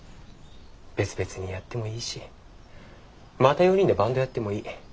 別々にやってもいいしまた４人でバンドやってもいい。